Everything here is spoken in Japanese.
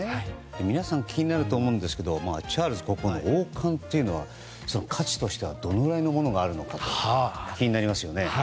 皆さん気になると思うんですけどチャールズ国王の王冠は価値としてはどのくらいのものがあるのかと気になりますよね。